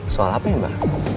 soal apa ya mbak